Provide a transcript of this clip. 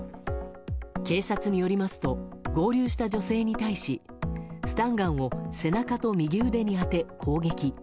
警察によりますと合流した女性に対しスタンガンを背中と右腕に当て攻撃。